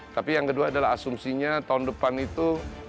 tapi yang kedua adalah asumsinya tahun depan itu